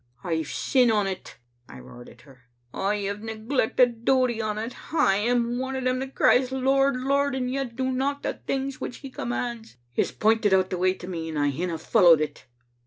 * "*rve sin on it,' I roared at her. *I have neglect o' duty on it. I am one o* them that cries " Lord, Lord," and yet do not the things which He commands. He has pointed out the way to me, and I hinna followed it.